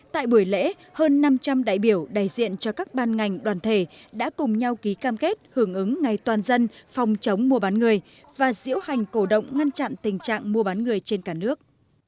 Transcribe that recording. tại buổi lễ hơn năm trăm linh đại biểu đại diện cho các ban ngành đoàn thể đã cùng nhau ký cam kết hưởng ứng ngày toàn dân phòng chống mua bán người và diễu hành cổ động ngăn chặn tình trạng mua bán người trên cả nước